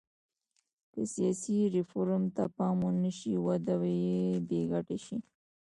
که سیاسي ریفورم ته پام ونه شي وده یې ټکنۍ شي.